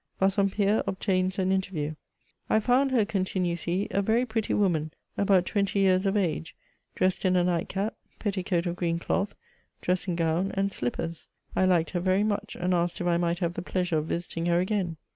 '' Bassompierre obtains an interview :" I found her/' con tinues he» " a very pretty woman, about twenty years of age, dressed in a night cap, petticoat of green cloth, dressing gown, and slippers. I liked her very much, and asked if I might have the pleasure of visiting her again."